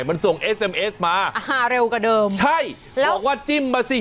มันส่งเอสเอ็มเอสมาอาหารเร็วกว่าเดิมใช่แล้วบอกว่าจิ้มมาสิ